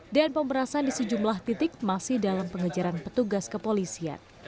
dan pemberasan di sejumlah titik masih dalam pengejaran petugas kepolisian